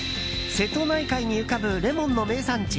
瀬戸内海に浮かぶレモンの名産地